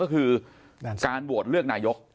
การโหวตเลือกนายก